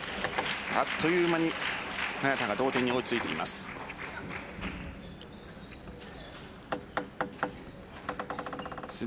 あっという間に早田が同点に追いついています。